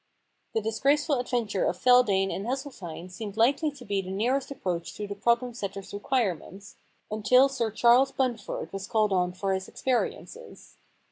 The disgraceful adventure of Feldane and Hesseltine seemed likely to be the nearest approach to the problem setter's requirements, until Sir Charles Bunford was called on for his experiences.